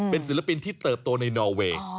เป็นศิลปินที่เติบโตในนอเวย์